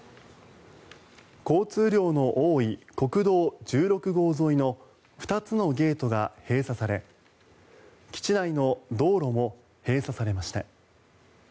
交通量の多い国道１６号沿いの２つのゲートが閉鎖され基地内の道路も閉鎖されました。